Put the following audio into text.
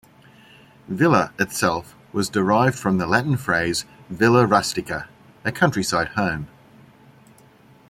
Ville itself was derived from the Latin phrase 'villa rustica,' a countryside home.